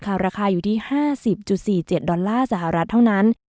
ราคาอยู่ที่๕๐๔๗ดอลลาร์สหรัฐเท่านั้น